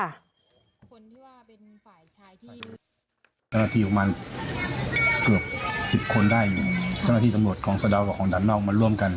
จัดหน้าที่ของมันเกือบสิบคนได้จัดหน้าที่ตำรวจของสะดาวกับของดันนอกมาร่วมกัน